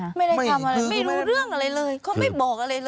ไม่ได้ทำอะไรไม่รู้เรื่องอะไรเลยเขาไม่บอกอะไรเลย